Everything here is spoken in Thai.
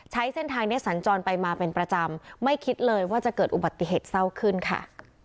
ใช้เส้นทางนี้สัญจรไปมาเป็นประจำไม่คิดเลยว่าจะเกิดอุบัติเหตุเศร้าขึ้นค่ะ